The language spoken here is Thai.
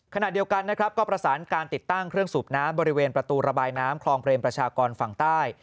ขณะเดียวกันนะครับก็ประสานการติดตั้งเครื่องสูบน้ำบริเวณประตูระบายน้ำคลองเปรมประชากรฝั่งใต้